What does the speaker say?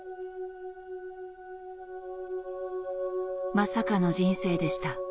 「まさかの人生でした」